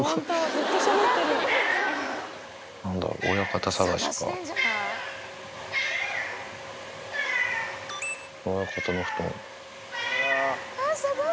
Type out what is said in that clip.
ずっとしゃべってる、すごい。